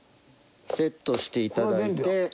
セットしていただいて。